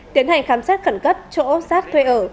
tiến hành khám xét cẩn cấp chỗ giác thuê ở